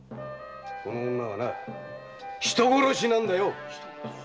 この女はな人殺しなんだよ！